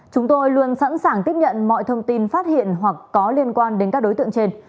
chúng tôi luôn sẵn sàng tiếp nhận mọi thông tin phát hiện hoặc có liên quan đến các đối tượng trên